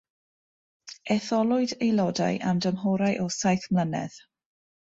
Etholwyd aelodau am dymhorau o saith mlynedd.